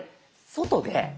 外で。